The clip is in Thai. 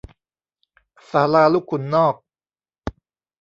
ศาลาลูกขุนนอก